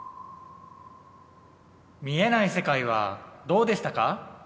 見えない世界はどうでしたか？